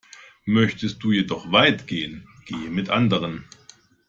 Möchtest du jedoch weit gehen, gehe mit anderen.